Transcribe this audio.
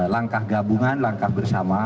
langkah gabungan langkah bersama